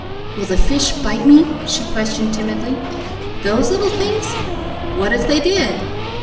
"Will the fish bite me?" she questioned timidly. "Those little things! What if they did?"